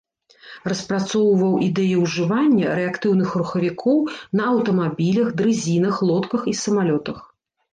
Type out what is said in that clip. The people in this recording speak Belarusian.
Распрацоўваў ідэю ужывання рэактыўных рухавікоў на аўтамабілях, дрызінах, лодках і самалётах.